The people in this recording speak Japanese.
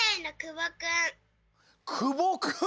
くぼくん。